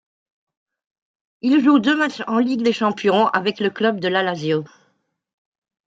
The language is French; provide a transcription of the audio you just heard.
Il joue deux matchs en Ligue des champions avec le club de la Lazio.